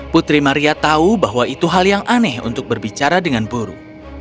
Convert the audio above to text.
putri maria tahu bahwa itu hal yang aneh untuk berbicara dengan buruh